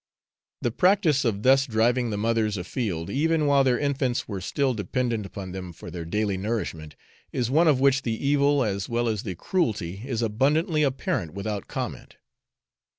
The practice of thus driving the mothers a field, even while their infants were still dependent upon them for their daily nourishment, is one of which the evil as well as the cruelty is abundantly apparent without comment.